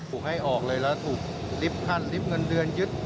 ให้ออกเลยแล้วถูกลิฟต์ขั้นลิฟต์เงินเดือนยึด